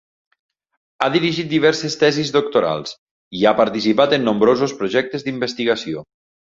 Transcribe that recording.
Ha dirigit diverses tesis doctorals i ha participat en nombrosos projectes d'investigació.